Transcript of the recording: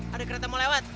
ada kereta mau lewat